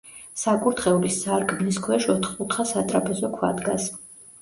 საკურთხევლის სარკმლის ქვეშ ოთხკუთხა სატრაპეზო ქვა დგას.